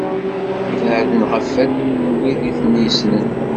Beɛden ɣef wallen n wid i ten-yessnen.